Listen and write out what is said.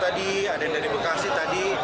ada dpd bekasi tadi